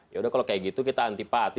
ya udah kalau kayak gitu kita antipati